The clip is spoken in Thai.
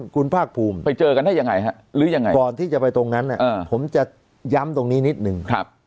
คุณภาคภูมิไปเจอกันได้ยังไงฮะหรือยังไงก่อนที่จะไปตรงนั้นผมจะย้ำตรงนี้นิดนึง